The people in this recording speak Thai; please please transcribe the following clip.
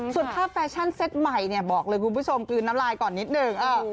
ส่วนภาพแฟชั่นเซ็ตใหม่เนี่ยบอกเลยคุณผู้ชมกลืนน้ำลายก่อนนิดหนึ่ง